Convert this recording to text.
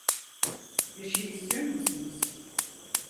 Bir şey istiyor musunuz?